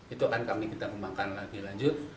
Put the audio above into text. itu akan kami kita pembangunkan lagi lanjut